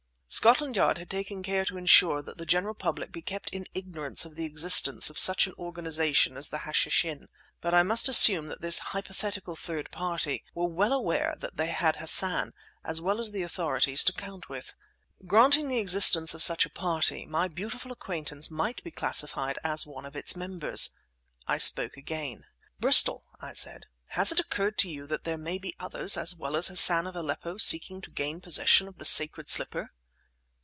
Scotland Yard had taken care to ensure that the general public be kept in ignorance of the existence of such an organization as the Hashishin, but I must assume that this hypothetical third party were well aware that they had Hassan, as well as the authorities, to count with. Granting the existence of such a party, my beautiful acquaintance might be classified as one of its members. I spoke again. "Bristol," I said, "has it occurred to you that there may be others, as well as Hassan of Aleppo, seeking to gain possession of the sacred slipper?"